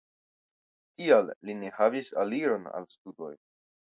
Tial li ne havis aliron al studoj.